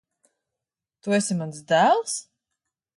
Tu esi mans dēls?